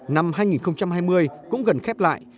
năm hai nghìn hai mươi cũng gần khép lại